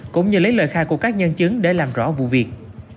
cũng như lấy lời khai của các nhân chứng để làm rõ vụ việc